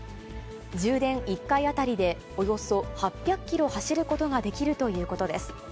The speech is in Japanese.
充電１回当たりでおよそ８００キロ走ることができるということです。